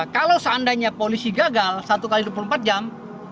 kalau seandainya polisi gagal satu x dua puluh empat jam